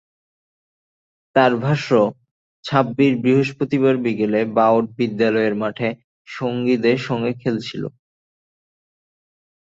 তাঁর ভাষ্য, ছাব্বির বৃহস্পতিবার বিকেলে বাওট বিদ্যালয়ের মাঠে সঙ্গীদের সঙ্গে খেলছিল।